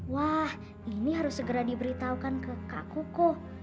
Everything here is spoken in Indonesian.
wah ini harus segera diberitahukan ke kak kuko